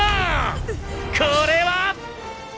これはぁ！！」